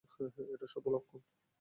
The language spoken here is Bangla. এটা শুভ লক্ষণ।